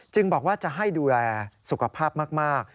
บอกว่าจะให้ดูแลสุขภาพมาก